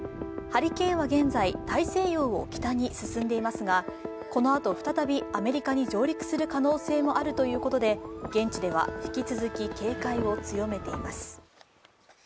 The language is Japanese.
ハリケーンは現在、大西洋を北に進んでいますがこのあと、再びアメリカに上陸する可能性もあるということで現地では、引き続き警戒を強めています。